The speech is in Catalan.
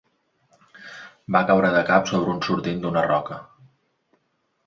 Va caure de cap sobre un sortint d'una roca.